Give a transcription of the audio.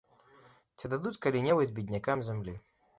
Ці дадуць калі-небудзь беднякам зямлі?